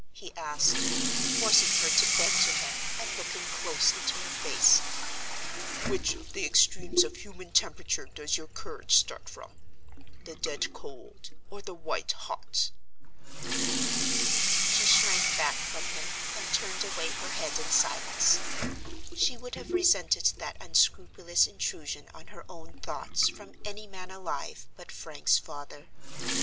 he asked, forcing her to bend to him, and looking close into her face. "Which of the extremes of human temperature does your courage start from—the dead cold or the white hot?" She shrank back from him and turned away her head in silence. She would have resented that unscrupulous intrusion on her own thoughts from any man alive but Frank's father.